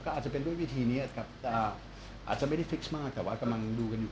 อาจจะเป็นด้วยวิธีนี้ครับแต่อาจจะไม่ได้ฟิกส์มากแต่ว่ากำลังดูกันอยู่